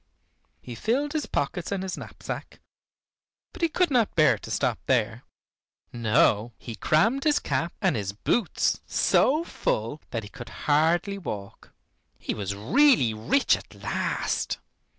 He filled his pockets and his knapsack, but he could not bear to stop there. No, he crammed his cap and his boots so full that he could hardly walk. He was really rich at last.